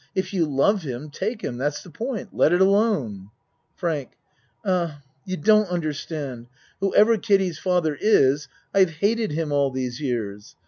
If you love him take him that's the point. Let it alone. FRANK Um you don't understand. Who ever Kiddie's father is I've hated him all these years.